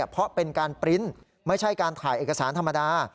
เพราะเป็นการปริ้นต์ไม่ใช่การถ่ายเอกสารธรรมดา